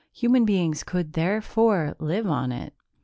Human beings could, therefore, live on it.